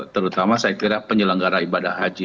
terutama saya kira penyelenggara ibadah haji